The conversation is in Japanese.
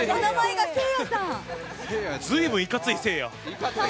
ずいぶんいかついせいや。